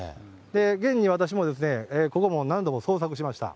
現に私も、ここも何度も捜索しました。